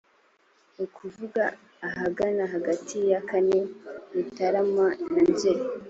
ukuvuga ahagana hagati ya kane mutarama na nzeri